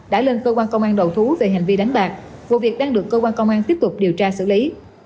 đã lên cơ quan công an đầu thú về hành vi đánh bạc vụ việc đang được cơ quan công an tiếp tục điều tra xử lý